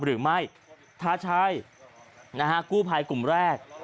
หรือไม่ทาชัยนะฮะกู้ภัยกลุ่มแรก